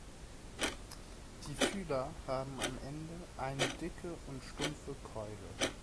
Die Fühler haben am Ende eine dicke und stumpfe Keule.